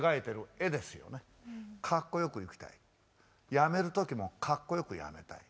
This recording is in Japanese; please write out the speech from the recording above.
やめる時もかっこよくやめたい。